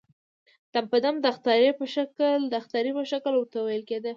دم په دم د اخطارې په شکل ورته وويل کېدل.